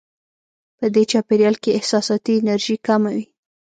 په دې چاپېریال کې احساساتي انرژي کمه وي.